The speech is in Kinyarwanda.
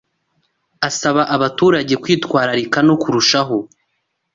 asaba abaturage kwitwararika no kurushaho